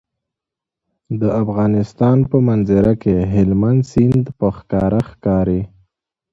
د افغانستان په منظره کې هلمند سیند په ښکاره ښکاري.